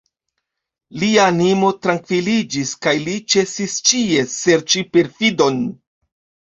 Lia animo trankviliĝis, kaj li ĉesis ĉie serĉi perfidon.